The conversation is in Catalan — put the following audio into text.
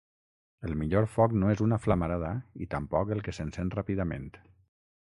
El millor foc no és una flamarada i tampoc el que s’encén ràpidament.